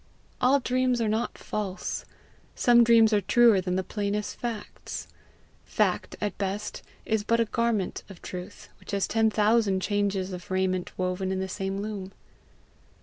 All dreams are not false; some dreams are truer than the plainest facts. Fact at best is but a garment of truth, which has ten thousand changes of raiment woven in the same loom.